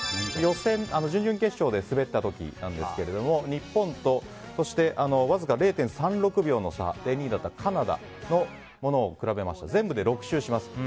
準々決勝で滑った時なんですけども日本と、わずか０．３６秒の差で２位だったカナダのものを比べますと全部で６周します。